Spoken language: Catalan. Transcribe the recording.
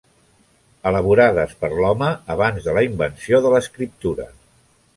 Elaborades per l'home abans de la invenció de l'escriptura.